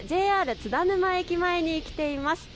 ＪＲ津田沼駅前に来ています。